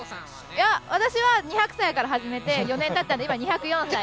いや私は２００歳から始めて４年たったんで今２０４歳。